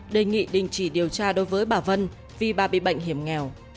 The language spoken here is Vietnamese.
đề nghị đình chỉ điều tra đối với bà vân vì bà bị bệnh hiểm nghèo